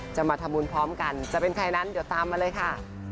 จะมาทำบุญพร้อมกันจะเป็นใครนั้นเดี๋ยวตามมาเลยค่ะ